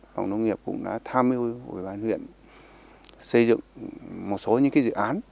phòng nông nghiệp cũng đã tham hiệu của huyện xây dựng một số những cái dự án